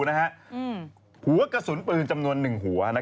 หัวกระสุนปืนจำนวน๑หัว